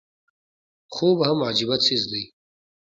خوب هم عجيبه څيز دی